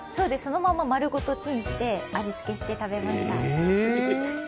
そのまま丸ごとチンして味付けして食べました。